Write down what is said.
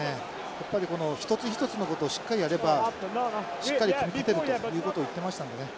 やっぱり一つ一つのことをしっかりやればしっかり勝てるということを言ってましたので。